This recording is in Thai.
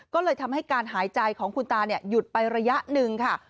ก็เลยทำให้การหายใจของคุณตาหยุดไประยะหนึ่งค่ะ